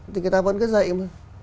thì người ta vẫn cứ dạy mà